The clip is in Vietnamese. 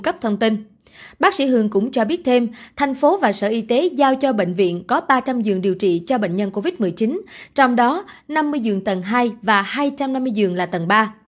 các trường hợp bệnh viện có ba trăm linh dường điều trị cho bệnh nhân covid một mươi chín trong đó năm mươi dường tầng hai và hai trăm năm mươi dường là tầng ba